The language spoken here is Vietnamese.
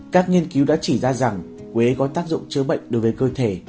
các nghiên cứu đã chỉ ra rằng quế có tác dụng chữa bệnh đối với cơ thể